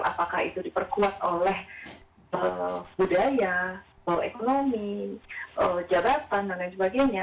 apakah itu diperkuat oleh budaya mau ekonomi jabatan dan lain sebagainya